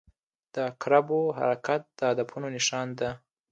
• د عقربو حرکت د هدفونو نښه ده.